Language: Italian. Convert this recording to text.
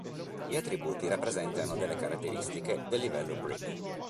Gli attributi rappresentano delle caratteristiche del livello brick.